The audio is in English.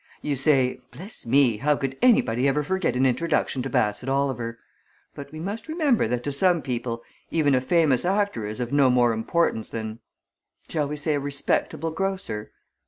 You say 'Bless me, how could anybody ever forget an introduction to Bassett Oliver!' But we must remember that to some people even a famous actor is of no more importance than shall we say a respectable grocer?